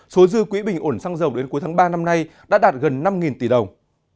số dư quỹ bình ổn xăng dầu đến cuối tháng ba năm nay đã đạt gần năm tỷ đồng